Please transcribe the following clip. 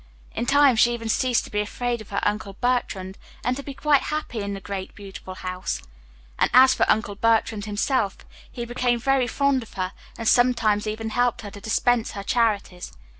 In time she even ceased to be afraid of her Uncle Bertrand, and to be quite happy in the great beautiful house. And as for Uncle Bertrand himself, he became very fond of her, and sometimes even helped her to dispense her charities.